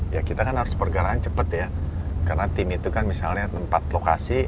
ya kita kan harus pergerakan cepet ya karena tim itu kan misalnya tempat lokasi